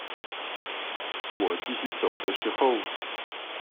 我繼續走的時候